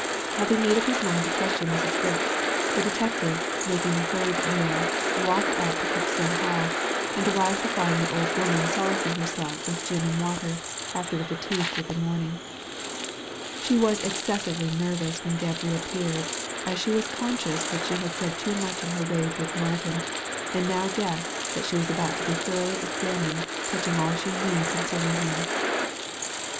'* Having made up his mind to question Mrs. Grix, the detective, making a hurried meal, walked out to Kirkstone Hall, and arrived to find the old woman solacing herself with gin and water after the fatigues of the morning. She was excessively nervous when Gebb reappeared, as she was conscious she had said too much in her rage with Martin, and now guessed that she was about to be thoroughly examined touching all she knew concerning him.